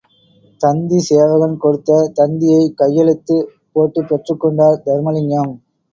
தந்தி சேவகன் கொடுத்த தந்தியை, கையெழுத்து போட்டு பெற்றுக் கொண்டார் தருமலிங்கம்.